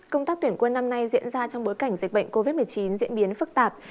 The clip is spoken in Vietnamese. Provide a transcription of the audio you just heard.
công tác tuyển quân năm nay diễn ra trong bối cảnh dịch bệnh covid một mươi chín diễn biến phức tạp